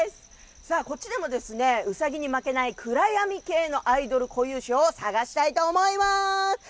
こっちでもウサギに負けない暗闇系のアイドル固有種を探したいと思います。